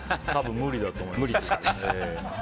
無理だと思います。